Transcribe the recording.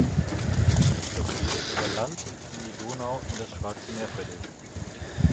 U-Flottille über Land und die Donau in das Schwarze Meer verlegt.